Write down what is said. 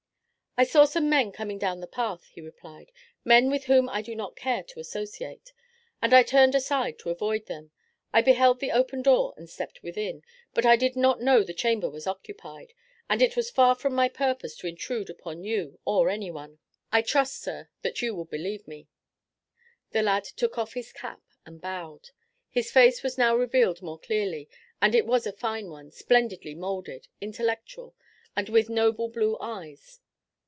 "I saw some men coming down the path," he replied; "men with whom I do not care to associate, and I turned aside to avoid them. I beheld the open door and stepped within, but I did not know the chamber was occupied, and it was far from my purpose to intrude upon you or any one. I trust, sir, that you will believe me." The lad took off his cap and bowed. His face was now revealed more clearly, and it was a fine one, splendidly molded, intellectual, and with noble blue eyes.